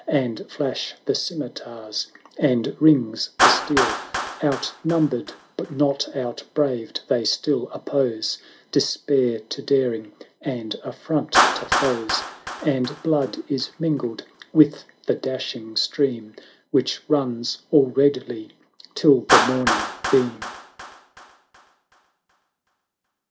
And flash the scimitars, and rings the steel; Outnumbered, not outbraved, they still oppose Despair to daring, and a front to foes; And blood is mingled with the dashing stream, loii Which runs all redly till the morning beam.